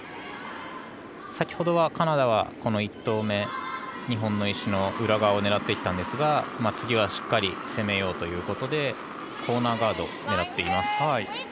先ほどはカナダは１投目日本の石の裏側を狙っていったんですが、次はしっかり攻めようということでコーナーガードを狙っています。